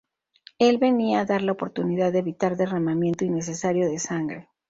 Él venía a dar la oportunidad de evitar derramamiento innecesario de sangre.